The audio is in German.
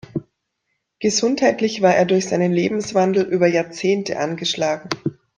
Gesundheitlich war er durch seinen Lebenswandel über Jahrzehnte angeschlagen.